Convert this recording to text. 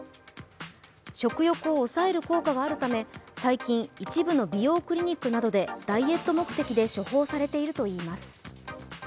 食欲を抑える効果があるため最近、一部の美容クリニックなどでダイエット目的で処方されているといいます。